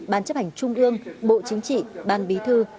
ban chấp hành trung ương bộ chính trị ban bí thư